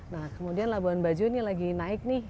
nah kemudian labuan bajo ini lagi naik nih